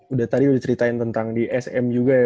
udah tadi udah diceritain tentang di sm juga ya